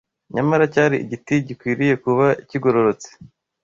nyamara cyari igiti gikwiriye kuba kigororotse